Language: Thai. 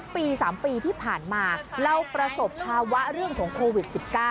ปี๓ปีที่ผ่านมาเราประสบภาวะเรื่องของโควิด๑๙